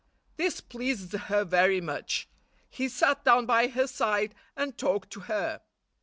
This pleased her very much. He sat down by her side and talked to her.